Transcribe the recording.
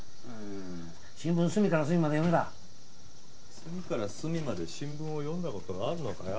隅から隅まで新聞を読んだ事があんのかよ。